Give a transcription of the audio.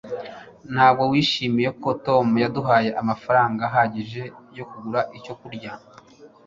ntabwo wishimiye ko tom yaduhaye amafaranga ahagije yo kugura icyo kurya